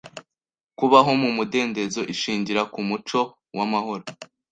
Kubaho mu mudendezo ishingira ku muco w’amahoro